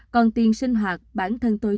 còn tiền sinh hoạt bản thân tôi